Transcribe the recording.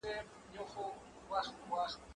زه اوږده وخت اوبه پاکوم!؟